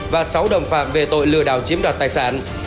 và sáu đồng phạm về tội lừa đảo chiếm đoạt tài sản